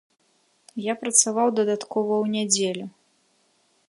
Я працаваў дадаткова ў нядзелю.